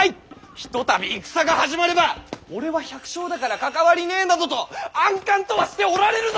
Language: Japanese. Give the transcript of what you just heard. ひとたび戦が始まれば「俺は百姓だから関わりねぇ」などと安閑とはしておられぬぞ！